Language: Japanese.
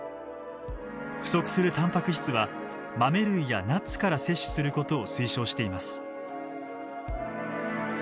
不足するタンパク質は豆類やナッツから摂取することを推奨しています。